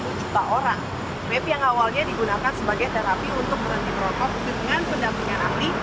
fim yang awalnya digunakan sebagai terapi untuk berhenti rokok dengan pendampingan api